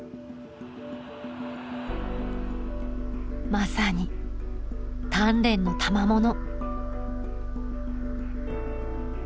まさに鍛錬のたまもの。